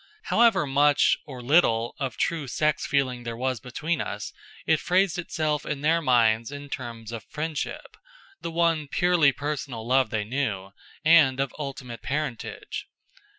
However much, or little, of true sex feeling there was between us, it phrased itself in their minds in terms of friendship, the one purely personal love they knew, and of ultimate parentage.